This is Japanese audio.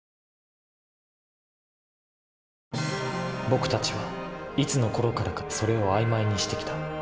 僕たちはいつのころからか「それ」を曖昧にしてきた。